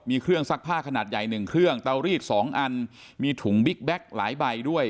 มีเครื่องซักผ้าขนาดใหญ่๑เครื่องเตารีด๒อันมีถุงบิ๊กแก๊กหลายใบด้วย